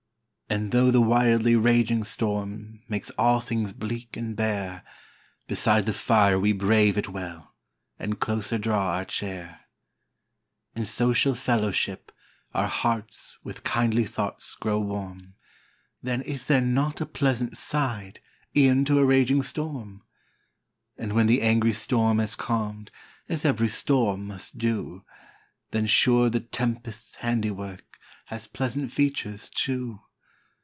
And, though the wildly raging storm Makes all things bleak and bare, Beside the fire we brave it well, And closer draw our chair. In social fellowship, our hearts With kindly thoughts grow warm; Then is there not a pleasant side, E'en to a raging storm? And when the angry storm has calm'd, As ev'ry storm must do, Then, sure, the tempest's handiwork, Has pleasant features, too.